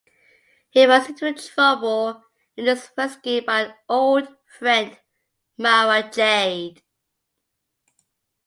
He runs into trouble, and is rescued by an old friend, Mara Jade.